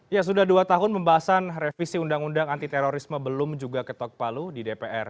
ya sudah dua tahun pembahasan revisi undang undang anti terorisme belum juga ketok palu di dpr